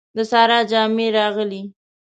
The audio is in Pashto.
د سارا جامې راغلې.